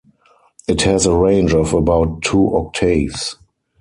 It has a range of about two octaves.